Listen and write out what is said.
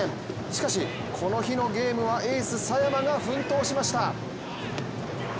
しかし、この日のゲームはエース・佐山が奮闘しました。